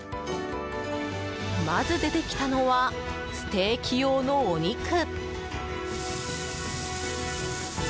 まず出てきたのはステーキ用のお肉。